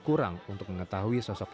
kurang untuk mengetahui sosoknya